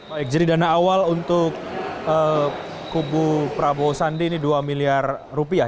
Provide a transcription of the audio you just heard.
baik jadi dana awal untuk kubu prabowo sandi ini dua miliar rupiah